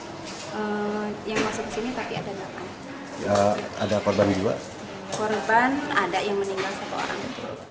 di gd itu ada dua puluh yang masuk sini tapi ada delapan ada korban dua korban ada yang meninggal satu orang